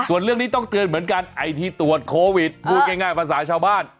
ส่วนเรื่องนี้ต้องเตือนเหมือนกันไอ้ที่ตรวจโควิดพูดง่ายภาษาชาวบ้าน